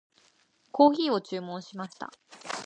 コーヒーを注文しました。